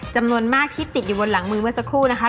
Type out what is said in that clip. จำนวนมากที่ติดอยู่บนหลังมือเมื่อสักครู่นะคะ